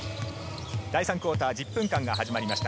第３クオーター、１０分間が始まりました。